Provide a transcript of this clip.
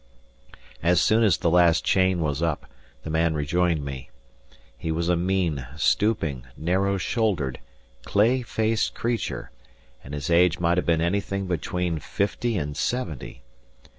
As soon as the last chain was up, the man rejoined me. He was a mean, stooping, narrow shouldered, clay faced creature; and his age might have been anything between fifty and seventy.